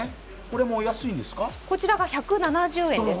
こちらが１７０円です。